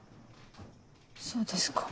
そうですか。